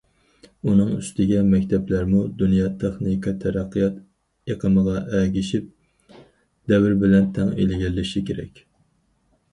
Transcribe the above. ئۇنىڭ ئۈستىگە مەكتەپلەرمۇ دۇنيا تېخنىكا تەرەققىيات ئېقىمىغا ئەگىشىپ، دەۋر بىلەن تەڭ ئىلگىرىلىشى كېرەك.